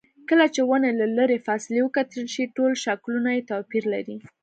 کله چې ونې له لرې فاصلې وکتل شي ټول شکلونه یې توپیر لري.